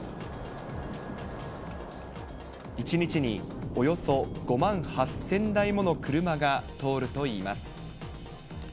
１日におよそ５万８０００台もの車が通るといいます。